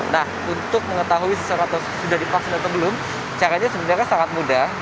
nah untuk mengetahui seseorang sudah divaksin atau belum caranya sebenarnya sangat mudah